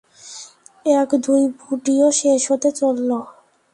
এক দুই মুভিও শেষ হতে চললো।